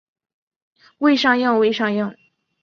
未上映未上映